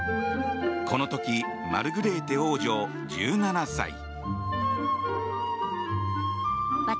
この時、マルグレーテ王女１７歳。